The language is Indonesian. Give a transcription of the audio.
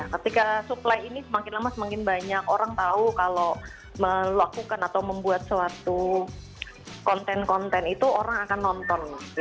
ketika supply ini semakin lama semakin banyak orang tahu kalau melakukan atau membuat suatu konten konten itu orang akan nonton